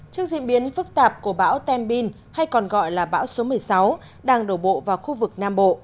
trước diễn biến phức tạp của bão tem bin hay còn gọi là bão số một mươi sáu đang đổ bộ vào khu vực nam bộ